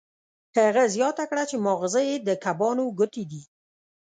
هغه زیاته کړه چې ماغزه یې د کبانو ګوتې دي